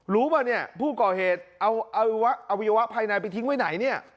ป่ะเนี่ยผู้ก่อเหตุเอาอวัยวะภายในไปทิ้งไว้ไหนเนี่ย